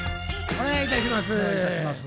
お願いいたします。